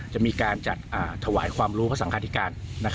จะมีการจัดถวายความรู้พระสังคาธิการ